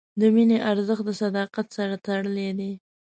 د مینې ارزښت د صداقت سره تړلی دی.